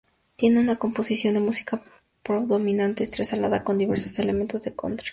Tiene una composición de música pop dominante, entrelazada con diversos elementos de "country".